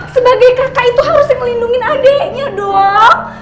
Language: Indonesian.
sebagai kakak itu harus melindungi adeknya dong